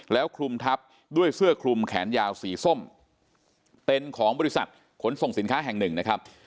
แล้วคลุมทับด้วยเสื้อคลุมแขนยาวสีส้มเป็นของบริษัทขนส่งสินค้าแห่งหนึ่งนะครับ